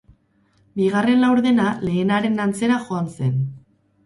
Bigarren laurdena lehenaren antzera joan zen.